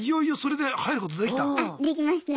できました。